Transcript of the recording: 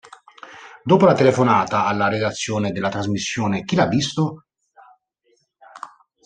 Dopo la telefonata, alla redazione della trasmissione "Chi l'ha visto?